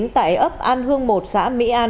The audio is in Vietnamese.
tại ấp an hương một xã mỹ an